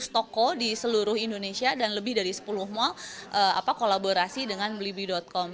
seratus toko di seluruh indonesia dan lebih dari sepuluh mal kolaborasi dengan blibli com